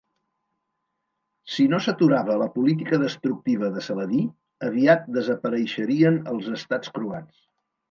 Si no s'aturava la política destructiva de Saladí, aviat desapareixerien els estats croats.